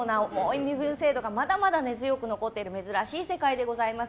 身分制度がまだまだ残っている珍しい世界でございます。